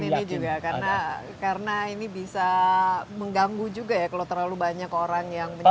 ini juga karena ini bisa mengganggu juga ya kalau terlalu banyak orang yang menjadi